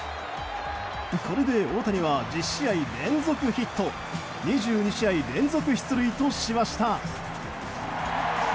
これで大谷は１０試合連続ヒット２２試合連続出塁としました。